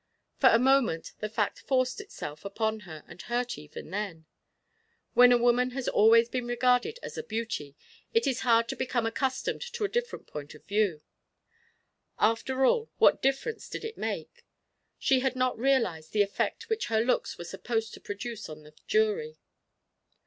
For a moment, the fact forced itself upon her and hurt even then. When a woman has always been regarded as a beauty, it is hard to become accustomed to a different point of view. After all, what difference did it make? She had not realized the effect which her looks were supposed to produce on the jury.